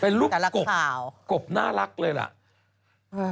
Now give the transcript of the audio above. เป็นลูกกบกบน่ารักเลยล่ะแต่ลักษาว